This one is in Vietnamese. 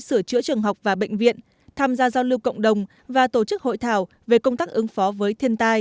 sửa chữa trường học và bệnh viện tham gia giao lưu cộng đồng và tổ chức hội thảo về công tác ứng phó với thiên tai